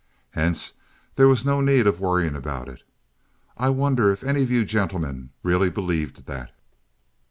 Hence there was no need of worrying about it. I wonder if any of you gentlemen really believed that?